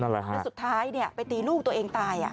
แล้วสุดท้ายไปตีลูกตัวเองตาย